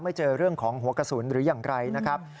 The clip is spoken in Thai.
เจอเรื่องของหัวกระสุนหรืออย่างไรนะครับ